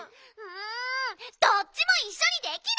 どっちもいっしょにできないッピ！